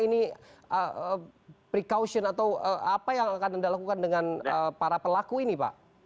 ini precaution atau apa yang akan anda lakukan dengan para pelaku ini pak